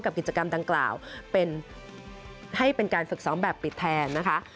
กิจกรรมดังกล่าวเป็นให้เป็นการฝึกซ้อมแบบปิดแทนนะคะ